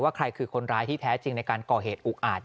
ใครคือคนร้ายที่แท้จริงในการก่อเหตุอุกอาจ